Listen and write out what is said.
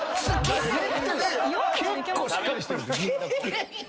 結構しっかりしてるで銀だこ。